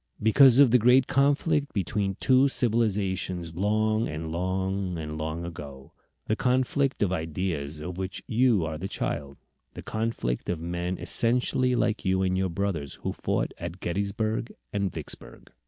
Because of the great conflict between two civilizations long and long and long ago the conflict of ideas of which you are the child; the conflict of men essentially like you and your brothers who fought at Gettysburg and Vicksburg.